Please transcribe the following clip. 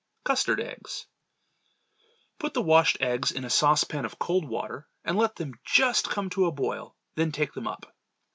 Custard Eggs. Put the washed eggs in a saucepan of cold water and let them just come to a boil, then take them up.